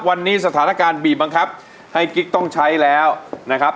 วันนี้สถานการณ์บีบบังคับให้กิ๊กต้องใช้แล้วนะครับ